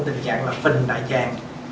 tình trạng là phình đại tràng